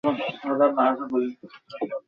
তোমাকে আমার একটি উপকার করতে হবে।